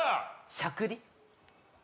しゃくり？